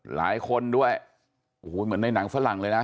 หลายคนด้วยโอ้โหเหมือนในหนังฝรั่งเลยนะ